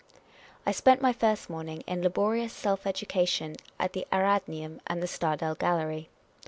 I spent my first morning in laborious self education at the Ariadneu'm and the Stadel Gallery.